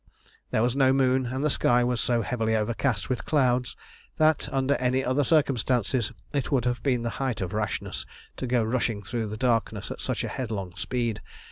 There was no moon, and the sky was so heavily overcast with clouds, that, under any other circumstances, it would have been the height of rashness to go rushing through the darkness at such a headlong speed.